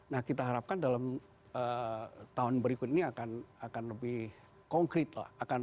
nah kita harapkan dalam tahun berikut ini akan lebih konkret lah